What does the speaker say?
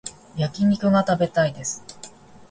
焼き肉が食べたいです